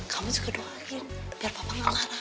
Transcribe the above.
kamu juga doain biar papa gak kalah